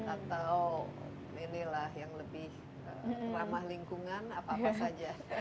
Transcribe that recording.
atau inilah yang lebih ramah lingkungan apa apa saja